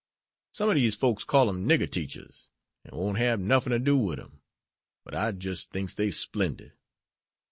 Some ob dese folks calls em nigger teachers, an' won't hab nuffin to do wid 'em, but I jis' thinks dey's splendid.